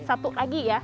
satu lagi ya